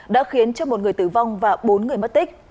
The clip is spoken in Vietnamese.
đã khiến cho một người tử vong và bốn người mất tích